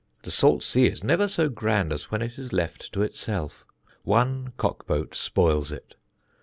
The salt sea is never so grand as when it is left to itself. One cock boat spoils it.